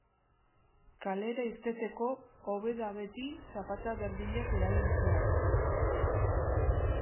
Kalera irteteko hobe da beti zapata berdinak erabiltzea.